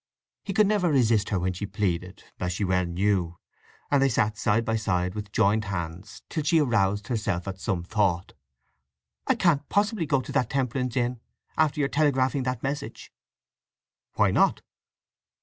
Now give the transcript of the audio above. He could never resist her when she pleaded (as she well knew). And they sat side by side with joined hands, till she aroused herself at some thought. "I can't possibly go to that Temperance Inn, after your telegraphing that message!" "Why not?"